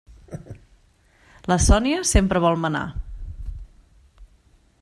La Sònia sempre vol manar.